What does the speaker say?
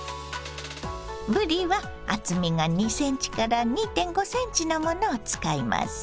ぶりは厚みが２ｃｍから２．５ｃｍのものを使います。